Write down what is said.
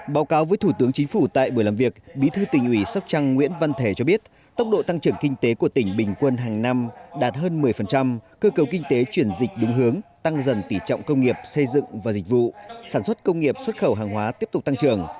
báo cáo với thủ tướng chính phủ tại buổi làm việc bí thư tỉnh ủy sóc trăng nguyễn văn thể cho biết tốc độ tăng trưởng kinh tế của tỉnh bình quân hàng năm đạt hơn một mươi cơ cầu kinh tế chuyển dịch đúng hướng tăng dần tỉ trọng công nghiệp xây dựng và dịch vụ sản xuất công nghiệp xuất khẩu hàng hóa tiếp tục tăng trưởng